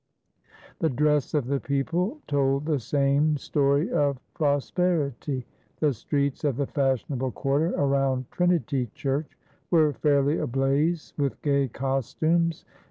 The dress of the people told the same story of prosperity. The streets of the fashionable quarter around Trinity Church were fairly ablaze with gay costumes.